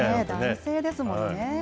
男性ですもんね。